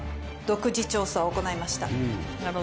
独自調査を行いました。